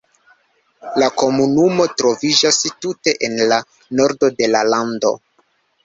La komunumo troviĝas tute en la nordo de la lando.